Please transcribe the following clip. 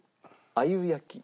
鮎焼き。